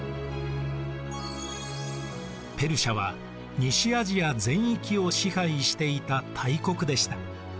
ペルシアは西アジア全域を支配していた大国でした。